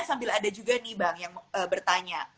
sambil ada juga nih bang yang bertanya